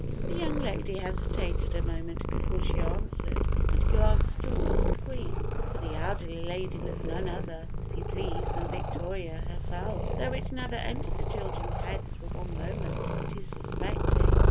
The young lady hesitated a moment before she answered, and glanced toward the Queen, for the elderly lady was none other, if you please, than Victoria herself, though it never entered the children's heads for one moment to suspect it.